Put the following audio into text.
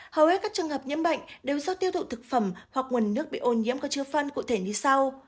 hầu hết các trường hợp nhiễm bệnh đều do tiêu thụ thực phẩm hoặc nguồn nước bị ô nhiễm có chứa phân cụ thể như sau